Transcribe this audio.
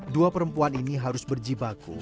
dua perempuan ini harus berjibaku